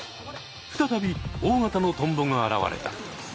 再び大型のトンボが現れた！